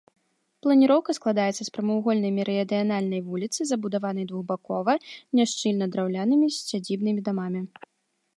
Планіроўка складаецца з прамавугольнай мерыдыянальнай вуліцы, забудаванай двухбакова, няшчыльна драўлянымі сядзібнымі дамамі.